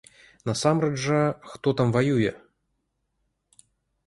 Насамрэч жа, хто там ваюе?